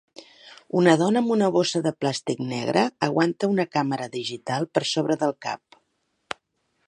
Una dona amb una bossa de plàstic negra aguanta una càmera digital per sobre del cap.